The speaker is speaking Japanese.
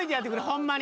ホンマに。